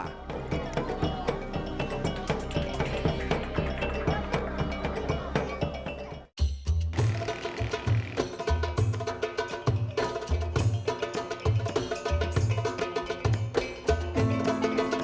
jika tidak mereka akan terbunuh